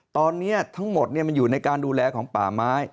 ตอนนี้ทั้งหมดมันอยู่ในการดูแลของป่าไม้